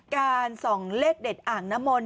การส่องเลขเด็ดอ่างนมล